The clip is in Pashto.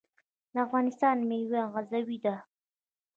د افغانستان میوه عضوي ده